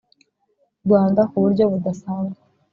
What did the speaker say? rwanda ku buryo budasanzwe.